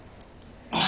あ！